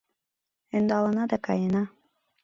Ӧндалына да каена!